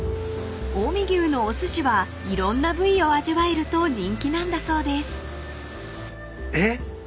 ［近江牛のおすしはいろんな部位を味わえると人気なんだそうです］えっ？